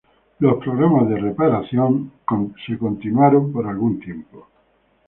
Programas de reparación continuaron por algún tiempo.